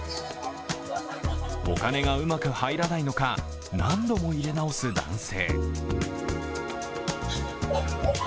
お金がうまく入らないのか、何度も入れ直す男性。